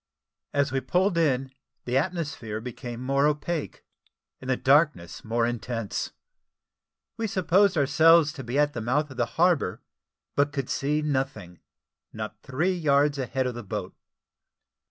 As we pulled in, the atmosphere became more opaque, and the darkness more intense. We supposed ourselves to be at the mouth of the harbour, but could see nothing not three yards a head of the boat.